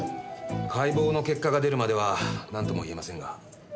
解剖の結果が出るまではなんとも言えませんが。